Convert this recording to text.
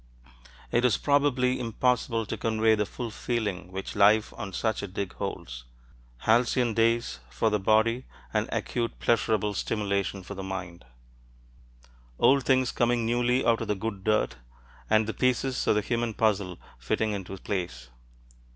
It is probably impossible to convey the full feeling which life on such a dig holds halcyon days for the body and acute pleasurable stimulation for the mind. Old things coming newly out of the good dirt, and the pieces of the human puzzle fitting into place!